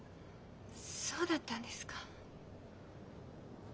そうだったんですか。